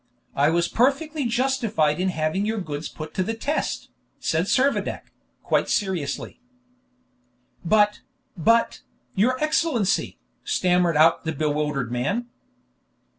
I was perfectly justified in having your goods put to the test," said Servadac, quite seriously. "But but, your Excellency " stammered out the bewildered man.